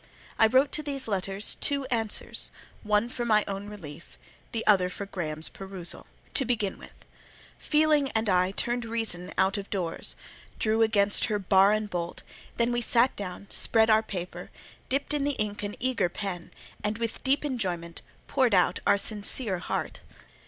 I wrote to these letters two answers—one for my own relief, the other for Graham's perusal. To begin with: Feeling and I turned Reason out of doors, drew against her bar and bolt, then we sat down, spread our paper, dipped in the ink an eager pen, and, with deep enjoyment, poured out our sincere heart.